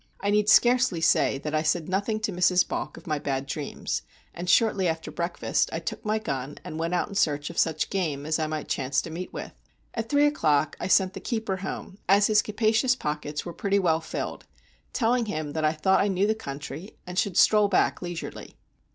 I need scarcely say that I said nothing to Mrs. Balk of my bad dreams, and shortly after breakfast I took my gun, and went out in search of such game as I might chance to meet with. At three o'clock I sent the keeper home, as his capacious pockets were pretty well filled, telling him that I thought I knew the country, and should stroll back leisurely.